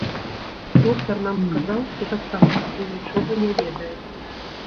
Доктар нам сказаў, што таксама пакуль нічога не ведае.